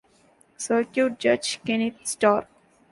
Circuit judge Kenneth Starr.